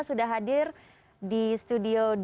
sudah hadir di studio